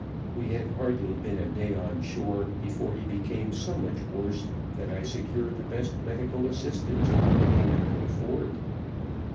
We had hardly been a day on shore before he became so much worse that I secured the best medical assistance Cartagena could afford.